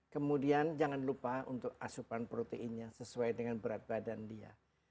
kemudian jangan lupa untuk asupan proteinnya sesuai dengan berat badan dia